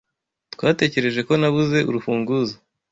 Twatekereje ko nabuze urufunguzo.